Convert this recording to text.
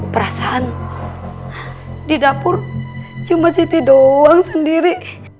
perasaan di dapur cuma siti doang sendiri